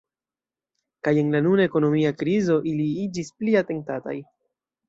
Kaj en la nuna ekonomia krizo ili iĝis pli atentataj.